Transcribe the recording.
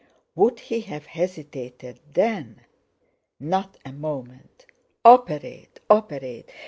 Would he have hesitated then? Not a moment! Operate, operate!